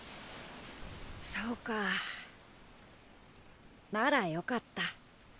そうかならよかった。